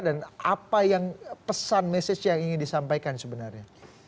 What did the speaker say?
dan apa yang pesan message yang ingin disampaikan sebenarnya